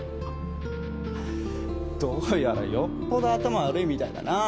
どうやらよっぽど頭悪いみたいだなあ